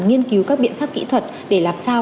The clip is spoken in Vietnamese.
nghiên cứu các biện pháp kỹ thuật để làm sao